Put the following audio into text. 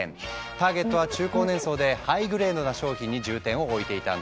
ターゲットは中高年層でハイグレードな商品に重点を置いていたんだ。